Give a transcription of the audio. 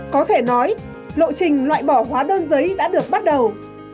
có thể nói lộ trình loại bỏ hóa đơn giấy đã được bắt đầu